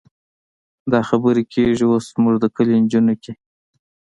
دا خبرې کېږي اوس زموږ د کلي نجونو کې.